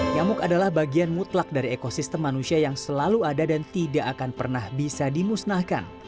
nyamuk adalah bagian mutlak dari ekosistem manusia yang selalu ada dan tidak akan pernah bisa dimusnahkan